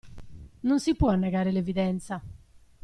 Non si può negare l'evidenza.